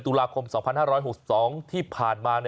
ตุลาคม๒๕๖๒ที่ผ่านมา